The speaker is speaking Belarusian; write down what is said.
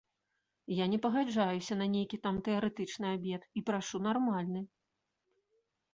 Я не пагаджаюся на нейкі там тэарэтычны абед і прашу нармальны.